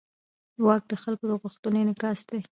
واک د خلکو د غوښتنو انعکاس دی.